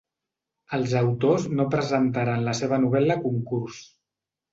Els autors no presentaran la seva novel·la a concurs.